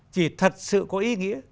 chỉ thật sự có ý nghĩa